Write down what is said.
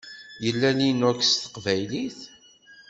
Yella Linux s teqbaylit?